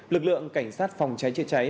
lực lượng cảnh sát phòng cháy chế cháy